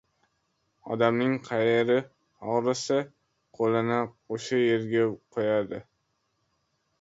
• Odamning qayeri og‘risa, qo‘lini o‘sha yerga qo‘yadi.